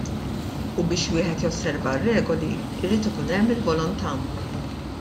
U biex wieħed josserva r-regoli jrid ikun hemm il-volontá.